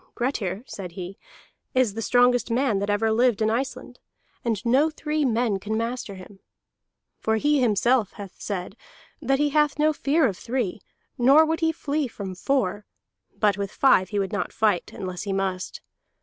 "Grettir," said he, "is the strongest man that ever lived in Iceland, and no three men can master him. For he himself hath said that he hath no fear of three, nor would he flee from four; but with five he would not fight unless he must.